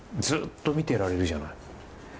ずっと見てられるじゃない？